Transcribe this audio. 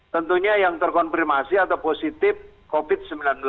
tentunya yang terkonfirmasi atau positif covid sembilan belas